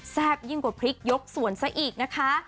ยิ่งกว่าพริกยกสวนซะอีกนะคะ